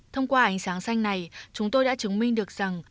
thông qua ánh sáng xanh này chúng tôi đã chứng minh được rằng